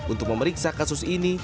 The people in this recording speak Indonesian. untuk memeriksa kasus ini